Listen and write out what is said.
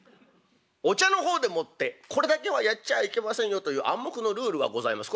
お茶の法でもってこれだけはやっちゃいけませんよという暗黙のルールがございます。